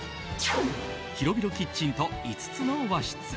広々キッチンと５つの和室。